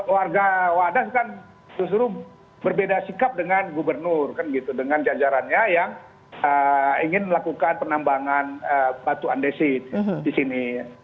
warga wadas kan justru berbeda sikap dengan gubernur dengan jajarannya yang ingin melakukan penambangan batu andesit di sini